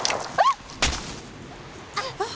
あっ！